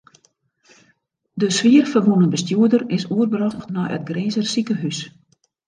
De swier ferwûne bestjoerder is oerbrocht nei it Grinzer sikehús.